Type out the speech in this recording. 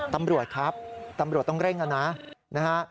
ตำรวจครับตำรวจต้องเร่งนะนะฮะ